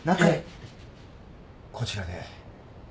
こちらで。